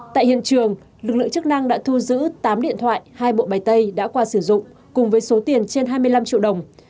tại hiện trường lực lượng chức năng đã thu giữ tám điện thoại hai bộ bày tay đã qua sử dụng cùng với số tiền trên hai mươi năm triệu đồng